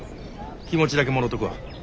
気持ちだけもろとくわ。